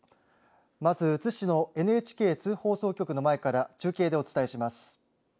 まず津市のＮＨＫ津放送局の前から中継でお伝えします。